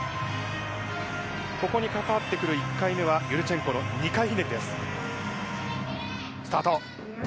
ここに関わってくる１回目はユルチェンコの２回ひねりです。